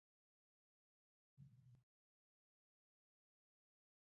بازار ته د نورو کسانو راتګ پر وړاندې محدودیتونه وو.